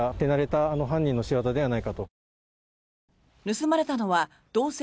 盗まれたのは銅線